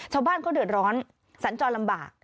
ชาวบ้านเขาเดือดร้อนสัญจรลำบาก